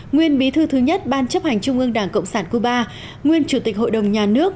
nguyên bí thư thứ nhất ban chấp hành trung ương đảng cộng sản cuba nguyên chủ tịch hội đồng nhà nước